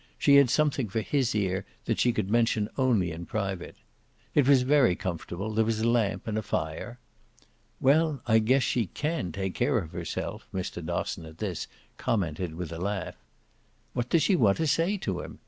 She had something for his ear that she could mention only in private. It was very comfortable; there was a lamp and a fire. "Well, I guess she CAN take care of herself!" Mr. Dosson, at this, commented with a laugh. "What does she want to say to him?"